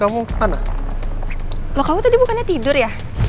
mereka bersikap iki dui